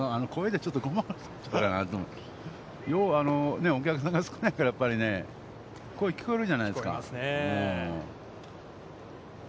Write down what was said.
きょうはお客さんが少ないから声、聞こえるじゃないですか。